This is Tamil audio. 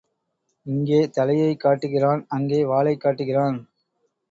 இங்கே தலையைக் காட்டுகிறான் அங்கே வாலைக் காட்டுகிறான்.